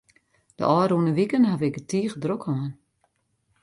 De ôfrûne wiken haw ik it tige drok hân.